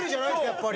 やっぱり。